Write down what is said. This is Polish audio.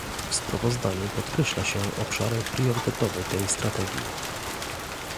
W sprawozdaniu podkreśla się obszary priorytetowe tej strategii